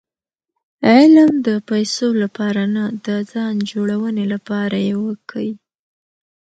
علم د پېسو له پاره نه؛ د ځان جوړوني له پاره ئې وکئ!